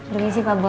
beri sih pak bos